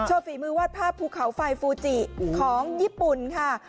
ฝีมือวาดภาพภูเขาไฟฟูจิของญี่ปุ่นค่ะ